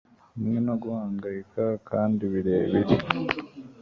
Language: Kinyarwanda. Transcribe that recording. Hamwe no guhangayika kandi birebire